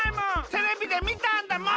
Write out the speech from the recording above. テレビでみたんだもん！